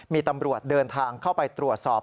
มีตำรวจเดินทางเข้าไปตรวจสอบ